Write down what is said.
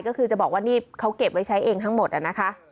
ก็คือจะบอกว่านี่เขาเก็บไว้ใช้เองทั้งหมดนะคะ